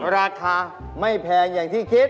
ราคาไม่แพงอย่างที่คิด